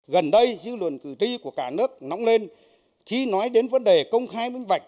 gần đây dư luận cử tri của cả nước nóng lên khi nói đến vấn đề công khai minh bạch